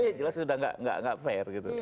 ya jelas sudah tidak fair